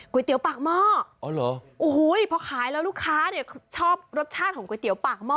ก๋วยเตี๋ยวปากหม้อพอขายแล้วลูกค้าชอบรสชาติของก๋วยเตี๋ยวปากหม้อ